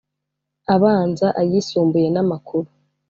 abanza ayisumbuye n amakuru